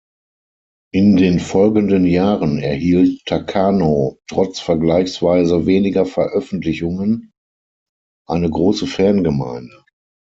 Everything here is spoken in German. In den folgenden Jahren erhielt Takano trotz vergleichsweise weniger Veröffentlichungen eine große Fangemeinde.